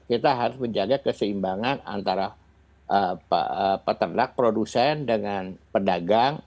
kita harus menjaga keseimbangan antara peternak produsen dengan pedagang